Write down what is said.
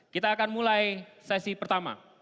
kita akan mulai sesi pertama